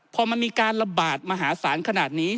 พอมันมีการระบาดมหาศาลขนาดนี้